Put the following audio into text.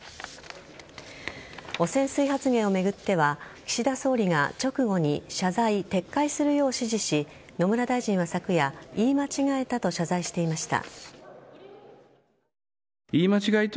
汚染水発言を巡っては岸田総理が直後に謝罪撤回するよう指示し野村大臣は昨夜言い間違えたと謝罪していました。